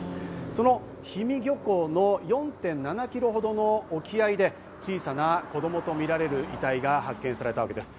その氷見漁港の４．７キロほどの沖合で小さな子供とみられる遺体が発見されたわけです。